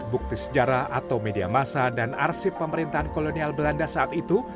bukti sejarah atau media masa dan arsip pemerintahan kolonial belanda saat itu